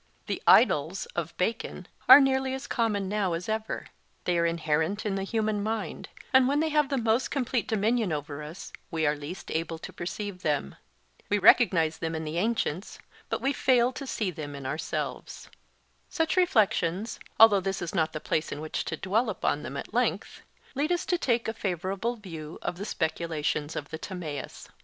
The 'idols' of Bacon are nearly as common now as ever; they are inherent in the human mind, and when they have the most complete dominion over us, we are least able to perceive them. We recognize them in the ancients, but we fail to see them in ourselves. Such reflections, although this is not the place in which to dwell upon them at length, lead us to take a favourable view of the speculations of the Timaeus.